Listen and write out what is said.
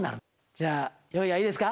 じゃあ用意はいいですか？